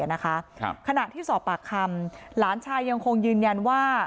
ขณะที่สอบปากคำหลานชายยังคงยืนยันว่า